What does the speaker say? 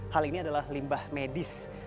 hal ini adalah limbah medis